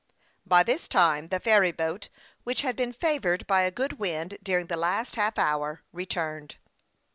By this time, the ferry boat, which had been favored by a good wind during the last half hour, returned.